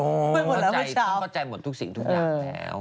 พูดไปหมดแล้วเมื่อเช้าต้องเข้าใจหมดทุกสิ่งทุกอย่างแล้ว